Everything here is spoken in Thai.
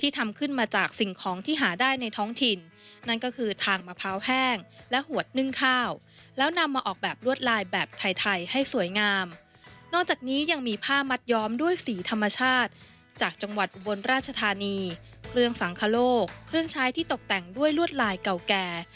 ที่ตกแต่งด้วยลวดลายเก่าแก่